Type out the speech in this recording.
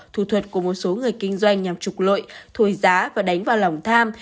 thu thuật của một số người kinh doanh nhằm trục lội thổi giá và đánh vào lòng tham